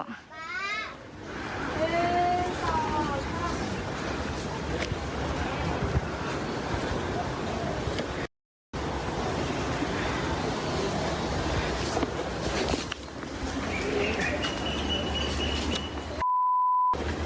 หนึ่งสองครับ